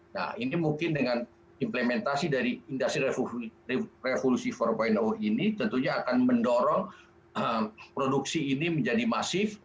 nah ini mungkin dengan implementasi dari industri revolusi empat ini tentunya akan mendorong produksi ini menjadi masif